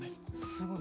すごい。